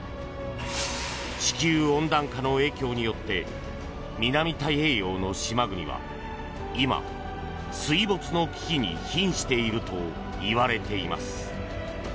地球温暖化の影響によって南太平洋の島国は今、水没の危機に瀕しているといわれています。